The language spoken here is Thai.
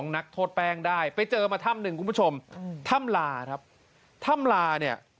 นักโทษแป้งได้ไปเจอมาถ้ำหนึ่งคุณผู้ชมถ้ำลาครับถ้ำลาเนี่ย